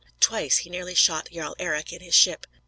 Twice he nearly shot Jarl Eric in his ship.